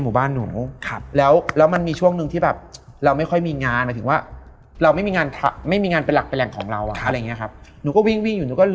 กูไม่กลัวไม่กลัวอะไรทั้งนั้นเพราะว่ากูโมโห